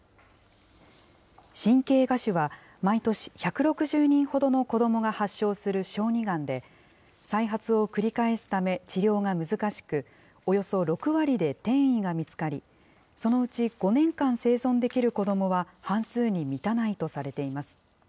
神経芽腫は毎年１６０人ほどの子どもが発症する小児がんで、再発を繰り返すため、治療が難しく、およそ６割で転移が見つかり、そのうち５年間生存できる子どもは半数に満たないとされています。